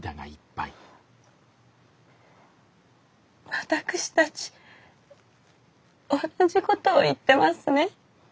私たち同じことを言ってますね。